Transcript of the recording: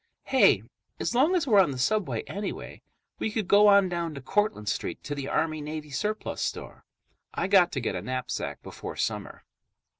"Hey, as long as we're on the subway anyway, we could go on down to Cortlandt Street to the Army Navy surplus store. I got to get a knapsack before summer."